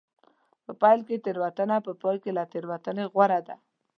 په پیل کې تېروتنه په پای کې له تېروتنې غوره ده.